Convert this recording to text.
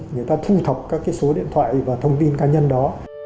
người ta thu thập các cái số điện thoại và thông tin cá nhân đó